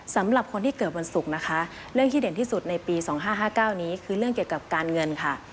สำหรับคนที่เกิดวันศุกร์นะคะเรื่องที่เด่นที่สุดในปี๒๕๕๙นี้คือเรื่องเกี่ยวกับการเงินค่ะ